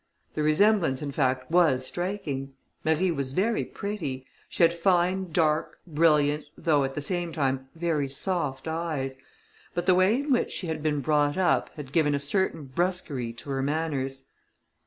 The resemblance, in fact, was striking. Marie was very pretty; she had fine dark, brilliant, though at the same time very soft eyes; but the way in which she had been brought up, had given a certain brusquerie to her manners.